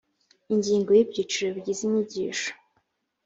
ingingo y’byiciro bigize inyigisho